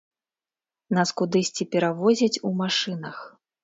Нас кудысьці перавозяць у машынах.